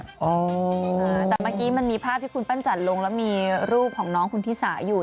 แต่เมื่อกี้มันมีภาพที่คุณปั้นจันทร์ลงแล้วมีรูปของน้องคุณธิสาอยู่